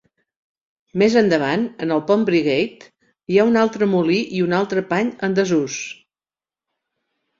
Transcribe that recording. Més endavant, en el Pont Briggate hi ha un altre molí i un altre pany en desús.